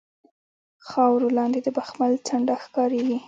خاورو لاندې د بخمل څنډه ښکاریږي